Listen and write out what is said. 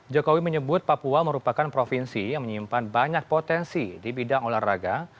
jokowi menyebut papua merupakan provinsi yang menyimpan banyak potensi di bidang olahraga